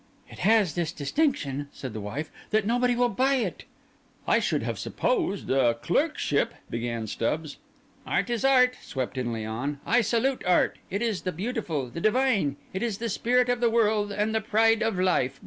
"It has this distinction," said the wife, "that nobody will buy it." "I should have supposed a clerkship—" began Stubbs. "Art is Art," swept in Léon. "I salute Art. It is the beautiful, the divine; it is the spirit of the world, and the pride of life.